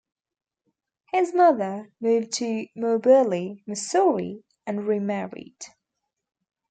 His mother moved to Moberly, Missouri and remarried.